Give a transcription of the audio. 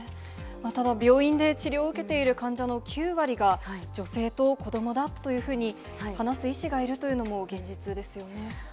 ただ病院で治療を受けている患者の９割が、女性と子どもだというふうに話す医師がいるというのも現実ですよね。